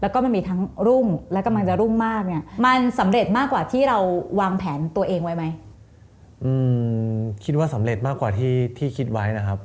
ก็คิดไว้นะครับ